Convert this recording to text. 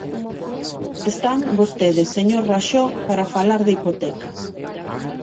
Están vostedes, señor Raxó, para falar de hipotecas.